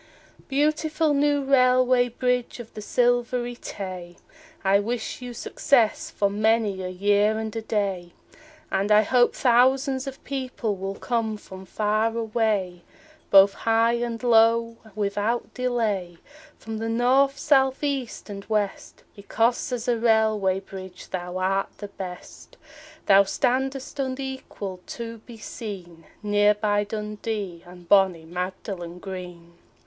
Beautiful new railway bridge of the Silvery Tay, I wish you success for many a year and a day, And I hope thousands of people will come from far away, Both high and low without delay, From the North, South, East and West, Because as a railway bridge thou art the best; Thou standest unequalled to be seen Near by Dundee and bonnie Magdalen Green.